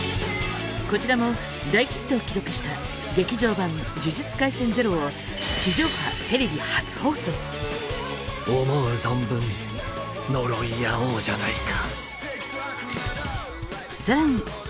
こちらも大ヒットを記録した「劇場版呪術廻戦０」を思う存分呪い合おうじゃないか。